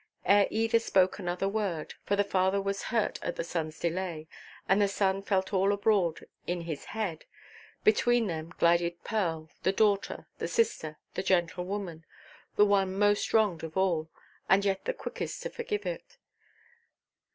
Ere either spoke another word—for the father was hurt at the sonʼs delay, and the son felt all abroad in his head—between them glided Pearl, the daughter, the sister, the gentle woman—the one most wronged of all, and yet the quickest to forgive it.